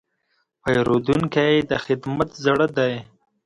پیرودونکی د خدمت زړه دی.